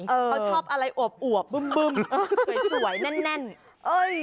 เขาชอบอะไรอวบบึ้มสวยแน่น